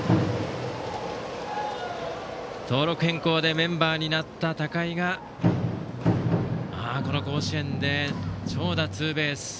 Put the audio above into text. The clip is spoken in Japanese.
登録変更でメンバーになった高井がこの甲子園で長打のツーベース。